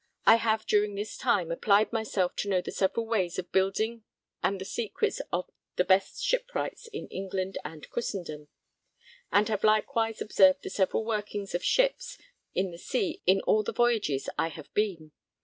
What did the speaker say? I have during this time applied myself to know the several ways of building and the secrets of the best shipwrights in England and Christendom, and have likewise observed the several workings of ships in the sea in all the voyages I have been.